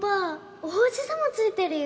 お星様ついてるよ